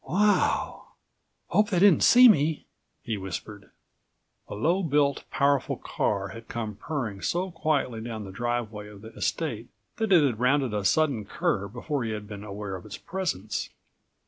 "Wow! Hope they didn't see me!" he whispered. A low built, powerful car had come purring66 so quietly down the driveway of the estate that it had rounded a sudden curve before he had been aware of its presence.